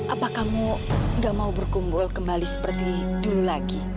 apa kamu gak mau berkumpul kembali seperti dulu lagi